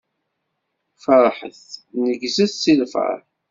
Feṛḥet, neggzet si lfeṛḥ!